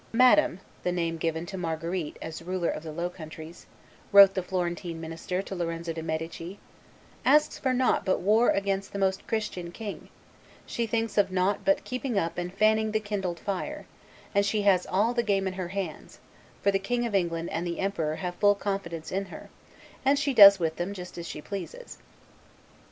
"Madam" [the name given to Marguerite as ruler of the Low Countries], wrote the Florentine minister to Lorenzo de' Medici, "asks for nought but war against the Most Christian king; she thinks of nought but keeping up and fanning the kindled fire, and she has all the game in her hands, for the King of England and the emperor have full confidence in her, and she does with them just as she pleases."